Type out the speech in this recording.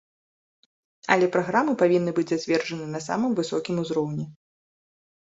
Але праграмы павінны быць зацверджаны на самым высокім узроўні.